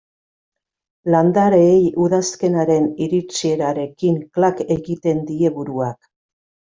Landareei udazkenaren iritsierarekin klak egiten die buruak.